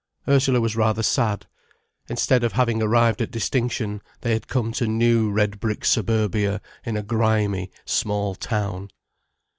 Ursula was rather sad. Instead of having arrived at distinction they had come to new red brick suburbia in a grimy, small town.